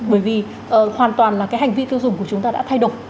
bởi vì hoàn toàn là cái hành vi tiêu dùng của chúng ta đã thay đổi